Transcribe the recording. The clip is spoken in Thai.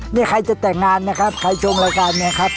นี่ใครจะแต่งงานนะครับใครชมรายการเนี่ยครับ